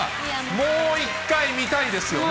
もう一回見たいですよね。